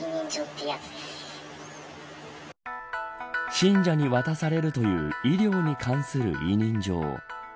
信者に渡されるという医療に関する委任状。